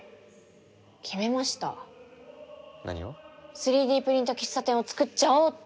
３Ｄプリント喫茶店をつくっちゃおうって！